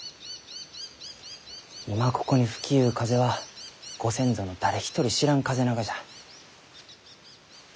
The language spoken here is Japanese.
今ここに吹きゆう風はご先祖の誰一人知らん風ながじゃ。